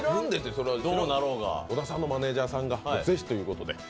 小田さんのマネージャーさんがぜひということで。